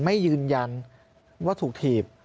ไม่ยืนยันว่าถูกถีบ